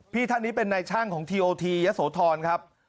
ท่านนี้เป็นนายช่างของทีโอทียะโสธรครับ